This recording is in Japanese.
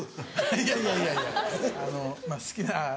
いやいやいやいやあの好きな。